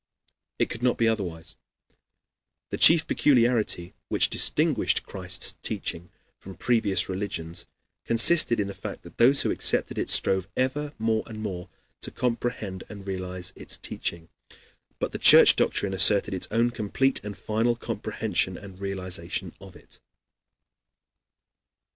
It could not be otherwise. The chief peculiarity which distinguished Christ's teaching from previous religions consisted in the fact that those who accepted it strove ever more and more to comprehend and realize its teaching. But the Church doctrine asserted its own complete and final comprehension and realization of it.